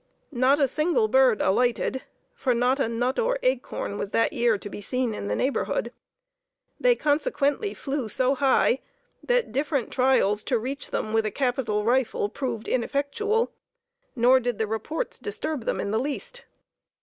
Not a single bird alighted; for not a nut or acorn was that year to be seen in the neighborhood. They consequently flew so high, that different trials to reach them with a capital rifle proved ineffectual; nor did the reports disturb them in the least.